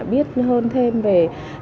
biết hơn thêm về